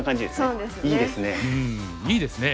うんいいですね。